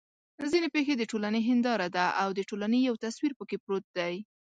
ځان پېښې د ټولنې هنداره ده او د ټولنې یو تصویر پکې پروت دی.